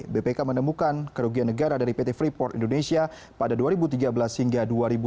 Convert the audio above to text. bpk menemukan kerugian negara dari pt freeport indonesia pada dua ribu tiga belas hingga dua ribu lima belas